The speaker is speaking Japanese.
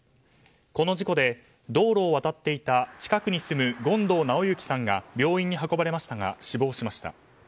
この事故で、道路を渡っていた近くに住む権藤直行さんが病院に運ばれましたが死亡しました。